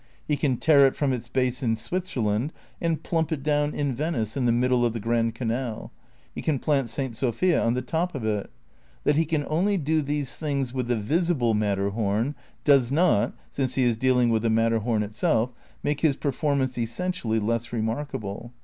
He can tear it from its base in Switzerland and plimip it down in "Venice in the middle of the Grand Canal; he can plant St. Sofia on the top of it. That he can only do these things with the visible Matterhom does not — since he is dealing with the Matterhom itself — make his performance essentially less remarkable.